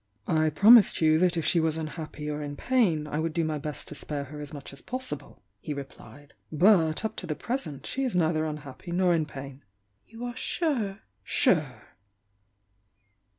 "I promised you that if she was unhappy or in pain, I would do my best to spare her as much as possible," he replied. "But, up to the present, she is neither unhappy nor in pain." "You are sure?" "Sure!"